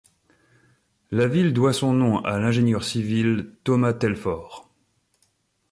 La ville doit son nom à l'ingénieur civil Thomas Telford.